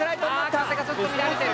ああ風がちょっと乱れてる。